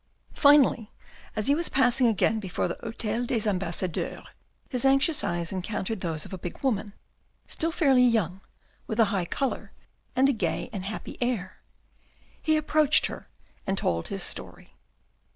Finally, as he was passing again before the Hotel des Ambassadeurs, his anxious eyes encountered those of a big woman, still fairly young, with a high colour, and a gay and happy air. He approached her and told his story.